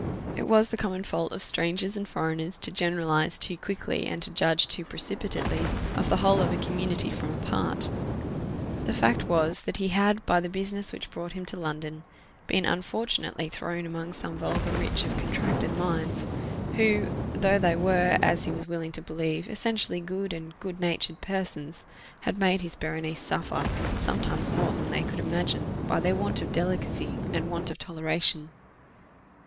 It was the common fault of strangers and foreigners to generalize too quickly, and to judge precipitately of the whole of a community from a part. The fact was, that he had, by the business which brought him to London, been unfortunately thrown among some vulgar rich of contracted minds, who, though they were, as he was willing to believe, essentially good and good natured persons, had made his Berenice suffer, sometimes more than they could imagine, by their want of delicacy, and want of toleration.